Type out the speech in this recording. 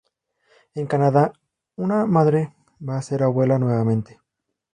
En Canadá, una madre va a ser abuela nuevamente.